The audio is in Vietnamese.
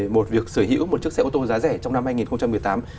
một việc sở hữu một chiếc xe ô tô giá rẻ trong năm hai nghìn một mươi tám